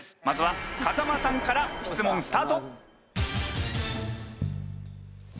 まずは風間さんから質問スタート。